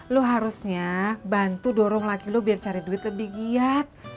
lu harusnya bantu dorong lagi lo biar cari duit lebih giat